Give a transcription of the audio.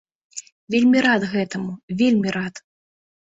Вельмі рад гэтаму, вельмі рад!